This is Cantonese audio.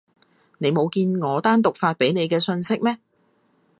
你冇見我單獨發畀你嘅訊息咩？